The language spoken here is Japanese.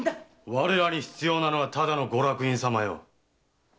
⁉我らに必要なのはただのご落胤様よ。